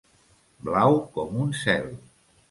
Blau com un cel.